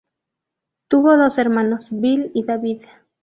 Tuvo dos hermanos, Bill y David.